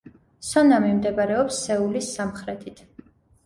სონამი მდებარეობს სეულის სამხრეთით.